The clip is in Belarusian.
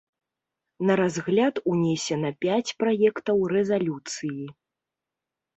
На разгляд унесена пяць праектаў рэзалюцыі.